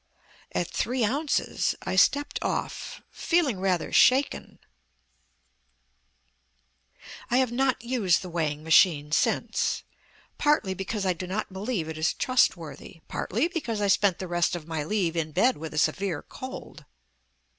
At three ounces I stepped off, feeling rather shaken. I have not used the weighing machine since; partly because I do not believe it is trustworthy, partly because I spent the rest of my leave in bed with a severe cold.